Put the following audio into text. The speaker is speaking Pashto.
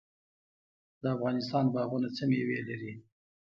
د افغانستان باغونه څه میوې لري؟